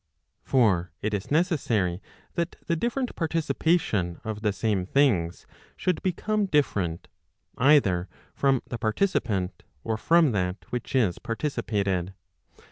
For it is necessary that the different participation of the same things, should become different, either from the participant, or from that which is participated.